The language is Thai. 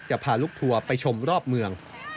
พาลูกทัวร์ไปชมรอบเมือง